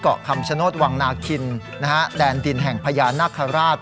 เกาะคำชะโนตวังนาคินนะฮะแดนดินแห่งพญานนาคาราช